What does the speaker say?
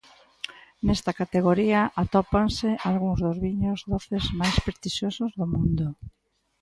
Nesta categoría atópanse algúns dos viños doces máis prestixiosos do mundo.